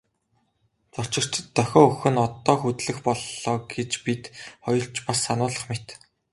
Зорчигчдод дохио өгөх нь одоо хөдлөх боллоо гэж бид хоёрт ч бас сануулах мэт.